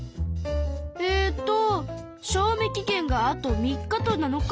えと賞味期限があと３日と７日。